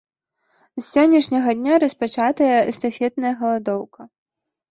З сённяшняга дня распачатая эстафетная галадоўка.